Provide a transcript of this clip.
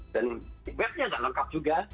dan webnya nggak lengkap juga